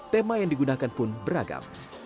tema yang digunakan pun beragam